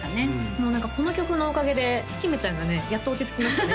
もう何かこの曲のおかげで姫ちゃんがねやっと落ち着きましたね